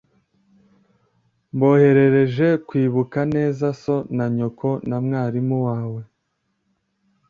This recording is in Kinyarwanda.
Mboherereje kwibuka neza so na nyoko, na mwarimu wawe.